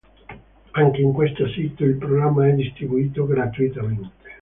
Anche in questo sito il programma è distribuito gratuitamente.